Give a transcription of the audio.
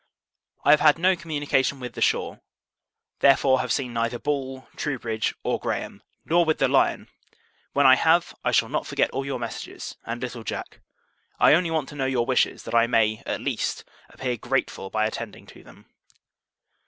I have had no communication with the shore; therefore, have seen neither Ball, Troubridge, or Graham: nor with the Lion; when I have, I shall not forget all your messages, and little Jack. I only want to know your wishes, that I may, at least, appear grateful, by attending to them.